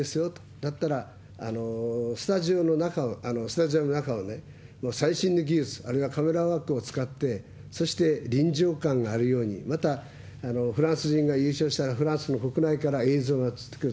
だったら、スタジオの中をね、最新の技術、あるいはカメラワークを使って、そして臨場感あるように、またフランス人が優勝したら、フランスの国内から映像が映ってくる。